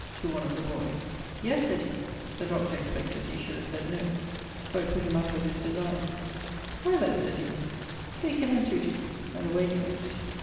(to one of the boyes). 'Yes,' sayd he (the Dr. expected he should have sayd No; for it putt him out of his designe); 'Why then,' said he, 'take him and toot him'; and away he went.